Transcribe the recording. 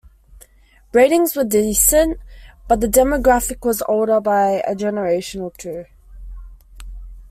Ratings were decent, but the demographic was older by a generation or two.